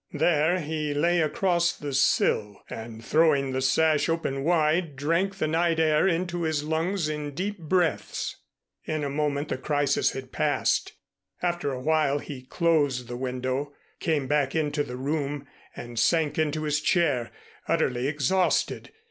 There he lay across the sill, and throwing the sash open wide, drank the night air into his lungs in deep breaths. In a moment the crisis had passed. After a while he closed the window, came back into the room and sank into his chair, utterly exhausted.